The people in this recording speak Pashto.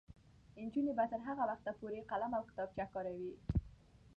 نجونې به تر هغه وخته پورې قلم او کتابچه کاروي.